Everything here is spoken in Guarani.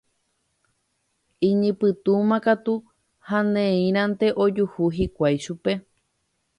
Iñipytũma katu ha ne'írãnte ojuhu hikuái chupe.